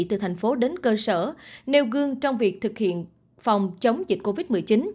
từ thành phố đến cơ sở nêu gương trong việc thực hiện phòng chống dịch covid một mươi chín